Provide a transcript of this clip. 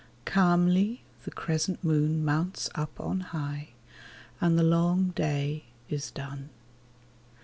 Calmly the crescent moon mounts up on high, And the long day is done.